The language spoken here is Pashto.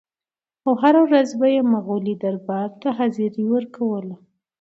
او هره ورځ به یې مغولي دربار ته حاضري ورکوله.